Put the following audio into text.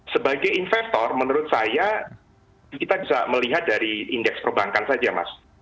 sebagai investor menurut saya kita bisa melihat dari indeks perbankan saja mas